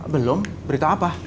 belum berita apa